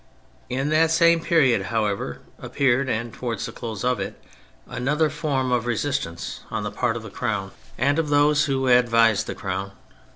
In that same period, however, appeared, and towards the close of it, another form of resistance on the part of the Crown and THE PHASES 99 of those who advised the Crown.